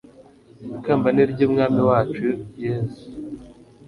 ikamba ni ry'umwami wacu yezu